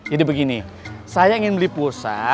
jadi begini saya ingin beli pulsa